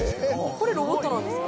これロボットなんですか？